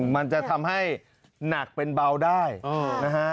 มันจะทำให้หนักเป็นเบาได้นะฮะ